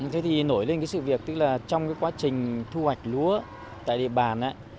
thế thì nổi lên cái sự việc tức là trong cái quá trình thu hoạch lúa tại địa bàn